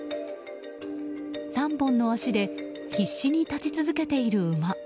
３本の足で必死に立ち続けている馬。